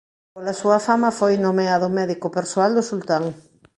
Pola súa fama foi nomeado médico persoal do sultán.